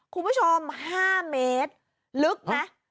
คุณผู้ชม๕เมตรลึกไหม